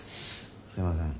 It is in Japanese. すいません。